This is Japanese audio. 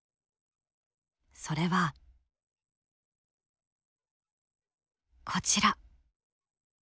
それはこちら。